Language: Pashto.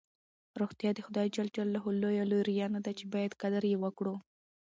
روغتیا د خدای ج لویه لورینه ده چې باید قدر یې وکړو.